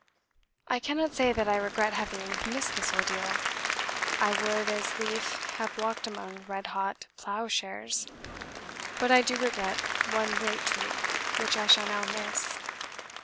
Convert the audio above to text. I cannot say that I regret having missed this ordeal; I would as lief have walked among red hot plough shares; but I do regret one great treat, which I shall now miss.